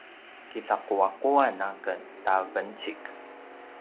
kicaquaquan aken ta vencik